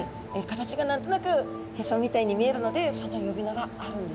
形が何となくへそみたいに見えるのでその呼び名があるんですね。